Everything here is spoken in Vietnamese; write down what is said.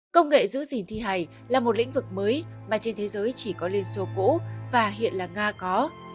công nghệ giữ gìn thi hài là một lĩnh vực mới mà trên thế giới chỉ có liên xô cũ và hiện là nga có